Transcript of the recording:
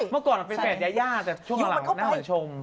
เมื่อก่อนเพจแฟนยาแต่ช่วงก็เหมือนชม